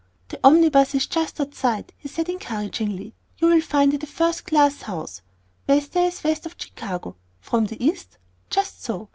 "The omnibus is just outside," he said encouragingly. "You'll find it a first class house, best there is west of Chicago. From the East? Just so.